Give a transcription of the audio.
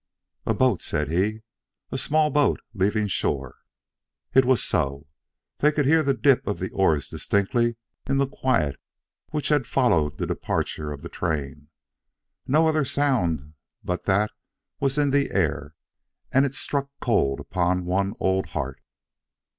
"A boat," said he. "A small boat leaving shore." It was so. They could hear the dip of the oars distinctly in the quiet which had followed the departure of the train. No other sound but that was in the air, and it struck cold upon one old heart.